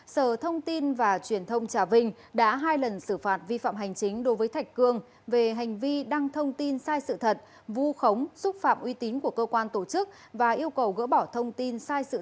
sở thông tin và truyền thông trà vinh đã hai lần xử phạt vi phạm hành chính đối với thạch cương về hành vi đăng thông tin sai sự thật vu khống xúc phạm uy tín của cơ quan tổ chức và yêu cầu gỡ bỏ thông tin sai sự thật